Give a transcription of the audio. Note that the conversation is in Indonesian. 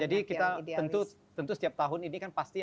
jadi kita tentu setiap tahun ini kan pasti